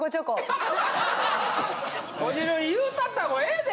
こじるり言うたった方がええで！